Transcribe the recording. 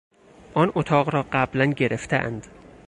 آن اتاق را قبلا گرفتهاند.